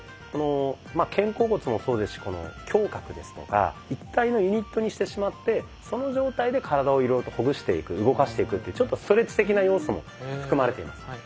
この肩甲骨もそうですし胸郭ですとか一体のユニットにしてしまってその状態で体をいろいろとほぐしていく動かしていくっていうちょっとストレッチ的な要素も含まれています。